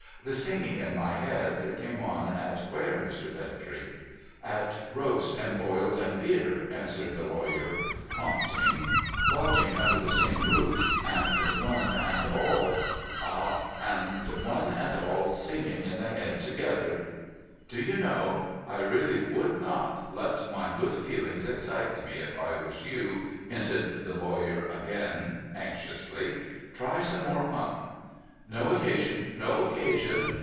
The singing in my head, came on at where, Mr. Bintrey ?'' At roast, and boiled, and beer,' answered the lawyer, prompting •—' lodging under the same roof — and one and all '' Ah 1 And one and all singing in the head together— —'' Do you know, I really would not let my good feelings excite me, if I was you,' hinted the lawyer again, anxiously. ' Try some more pump.' ' No occasion, no occasion.